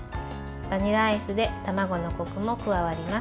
バニラアイスで卵のこくも加わります。